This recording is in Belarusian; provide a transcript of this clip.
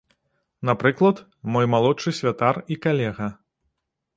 Напрыклад, мой малодшы святар і калега.